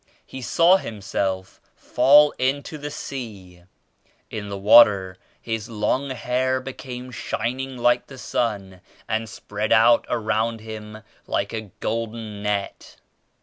He saw Himself fall into the sea. In the water His long hair became, shining like the sun and spread out around Him like a golden net.